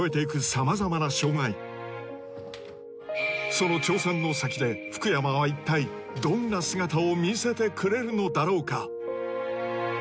その挑戦の先で福山は一体どんな姿を見せてくれるのだろうか？